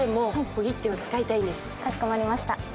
かしこまりました。